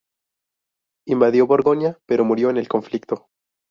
Invadió Borgoña, pero murió en el conflicto.